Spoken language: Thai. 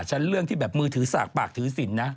เรื่องที่แบบมือถือสากปากถือสินนะ